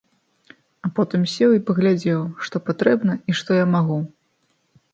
А потым сеў і паглядзеў, што патрэбна, і што я магу.